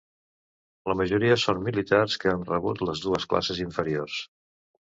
La majoria són militars que han rebut les dues classes inferiors.